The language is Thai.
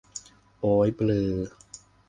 โอ้ยเบลอ